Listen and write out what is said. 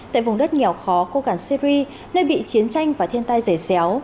tại vùng đất nghèo khó khô cản syri nơi bị chiến tranh và thiên tai rẻ xéo